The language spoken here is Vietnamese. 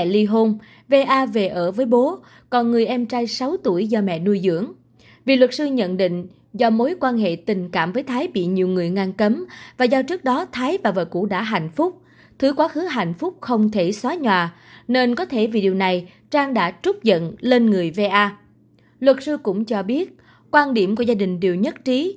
luật sư cũng cho biết quan điểm của gia đình đều nhất trí